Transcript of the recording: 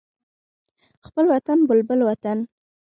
خپل وطن بلبل وطن